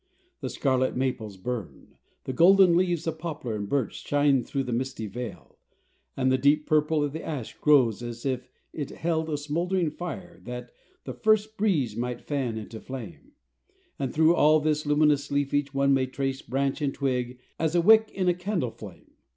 The scarlet maples burn, the golden leaves of poplar and birch shine through the misty veil, and the deep purple of the ash glows as if it held a smouldering fire that the first breeze might fan into a flame, and through all this luminous leafage one may trace branch and twig as a wick in a candle flame.